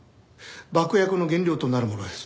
爆薬の原料となるものです。